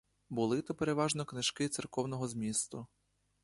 Були то переважно книжки церковного змісту.